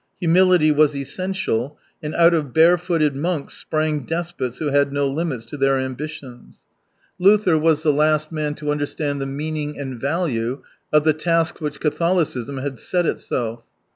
Humility was essential — and out of bare footed monks sprang despots who had no limits to their ambitions. 206 Luther was the last man to understand the meaning and value of the tasks which Catholicism had set itself.